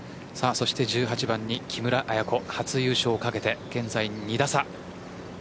１８番に木村彩子初優勝を懸けて現在２打差。